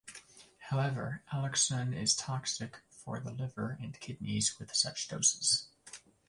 However, alloxan is toxic for the liver and kidneys with such doses.